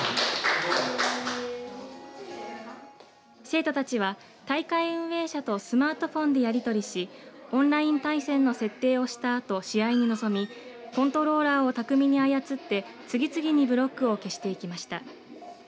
生徒たちは大会運営者とスマートフォンでやり取りしオンライン対戦の設定をしたあと試合に臨みコントローラーを巧みに操って次々にブロックを消していきました。